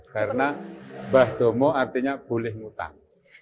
karena bahdomo artinya boleh ngutang